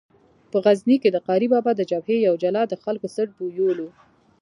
په غزني کې د قاري بابا د جبهې یو جلاد د خلکو څټ بویولو.